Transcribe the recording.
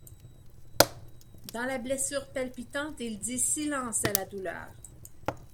Dans la blessure palpitante Il dit: Silence! à la douleur.